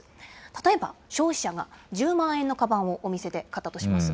例えば、消費者が１０万円のかばんをお店で買ったとします。